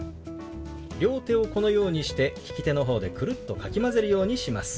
両手をこのようにして利き手の方でくるっとかき混ぜるようにします。